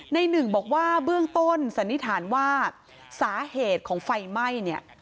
หนึ่งบอกว่าเบื้องต้นสันนิษฐานว่าสาเหตุของไฟไหม้เนี่ย